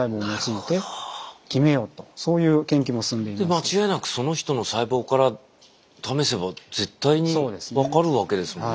間違いなくその人の細胞から試せば絶対に分かるわけですもんね。